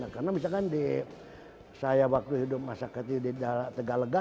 karena misalkan saya waktu hidup masyarakat di tegalega